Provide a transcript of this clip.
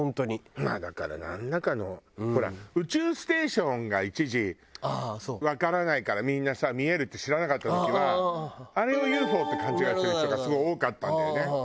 まあだからなんらかの。ほら宇宙ステーションが一時わからないからみんなさ見えるって知らなかった時はあれをＵＦＯって勘違いしてる人がすごい多かったんだよね。